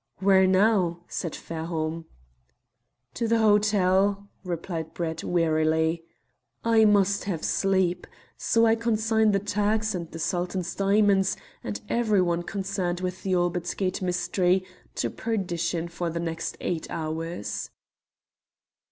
"Where now?" said Fairholme. "To the hotel," replied Brett, wearily. "I must have sleep, so I consign the Turks, and the Sultan's diamonds, and every one concerned with the Albert Gate mystery, to perdition for the next eight hours."